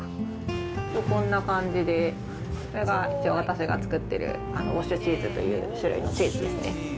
こんな感じで、これが一応私が作ってるウォッシュチーズという種類のチーズですね。